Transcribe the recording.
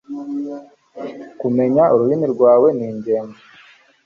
kumenya ururimi rwawe ningenzi